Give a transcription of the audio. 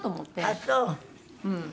「ああそう！」